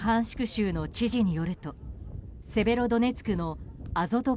州の知事によるとセベロドネツクのアゾト